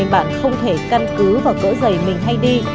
bạn không thể căn cứ vào cỡ giày mình hay đi